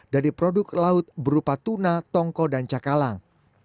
dari produk laut berupa tuna tongko dan cakalang